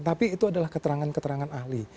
tapi itu adalah keterangan keterangan ahli